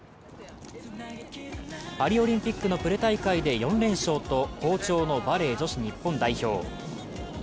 パリオリンピックのプレ大会で４連勝と好調のバレー女子日本代表。